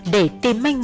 để tìm manh động